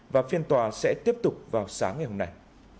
và phiên tòa sẽ tiếp tục vào sáng ngày hôm nay